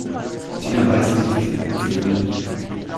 Tina weiß nicht, dass sie ein Placebo nimmt.